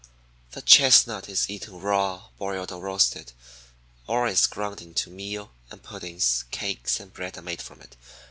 6. The chestnut (Castanea vesca) is eaten raw, boiled, or roasted, or is ground into meal and puddings, cakes, and bread are made from it.